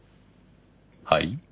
はい？